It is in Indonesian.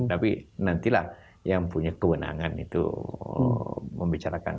tapi nantilah yang punya kewenangan itu membicarakan